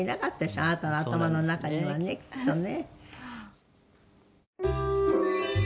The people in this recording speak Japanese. あなたの頭の中にはねきっとね。